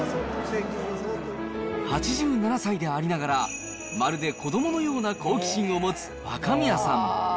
８７歳でありながら、まるで子どものような好奇心を持つ若宮さん。